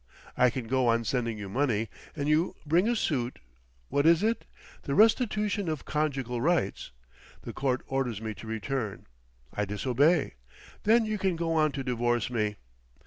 I can go on sending you money—and you bring a suit, what is it?—for Restitution of Conjugal Rights. The Court orders me to return. I disobey. Then you can go on to divorce me.